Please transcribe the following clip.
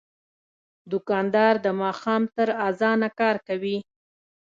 دوکاندار د ماښام تر اذانه کار کوي.